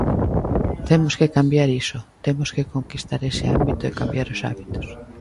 Temos que cambiar iso, temos que conquistar ese ámbito e cambiar os hábitos.